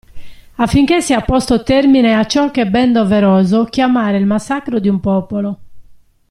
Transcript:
Affinché sia posto termine a ciò che è ben doveroso chiamare il massacro di un popolo.